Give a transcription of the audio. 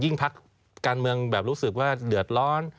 พักการเมืองแบบรู้สึกว่าเดือดร้อน